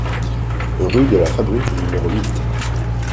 Rue de la Fabrique au numéro huit